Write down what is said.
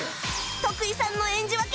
徳井さんの演じ分け